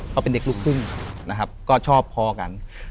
เขาเป็นเด็กลูกครึ่งนะครับก็ชอบพอกัน